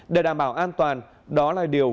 để đảm bảo an toàn đó là điều